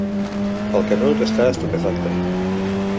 El Canut està estupefacte.